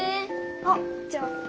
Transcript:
あっじゃあこれ。